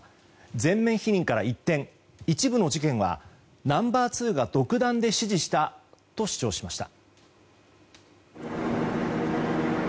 全面否認から一転一部の事件はナンバー２が独断で指示したと主張しました。